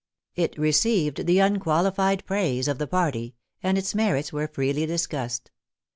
It received the unqualified praise of the party; and its merits were freely discussed.